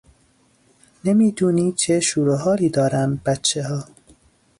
نمیدونی چه شور و حالی دارن بچهها!